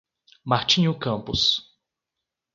Martinho Campos